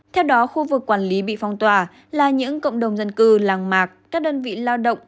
theo đó khu vực quản lý bị phong tỏa là những cộng đồng dân cư làng mạc các đơn vị lao động